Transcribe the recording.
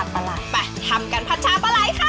ไปทำกันผัดชาปลาไหล่ค่า